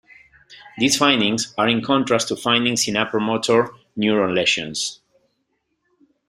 These findings are in contrast to findings in upper motor neuron lesions.